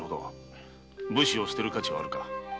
武士を棄てる価値はあるか？